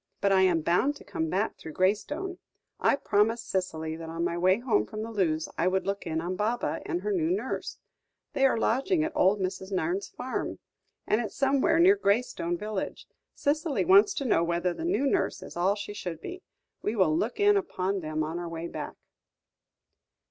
But I am bound to come back through Graystone. I promised Cicely that on my way home from Lewes, I would look in on Baba and her new nurse. They are lodging at old Mrs. Nairne's farm, and it's somewhere near Graystone village. Cicely wants to know whether the new nurse is all she should be; we will look in upon them on our way back."